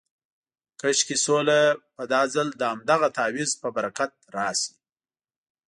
کاشکې سوله به دا ځل د همدغه تعویض په برکت راشي.